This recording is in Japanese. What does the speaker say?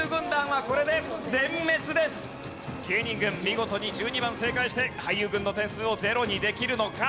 芸人軍見事に１２番正解して俳優軍の点数をゼロにできるのか？